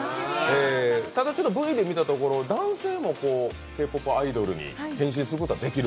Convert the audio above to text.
ただ、Ｖで見たところ、男性もＫ−ＰＯＰアイドルに変身できる？